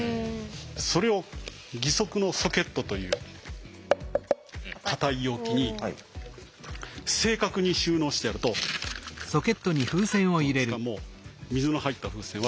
それを義足のソケットという硬い容器に正確に収納してやるとどうですかもう水の入った風船は。